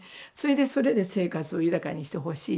それで生活を豊かにしてほしいというま